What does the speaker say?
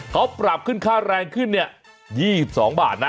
เขาปรับขึ้นค่าแรงขึ้นเนี่ย๒๒บาทนะ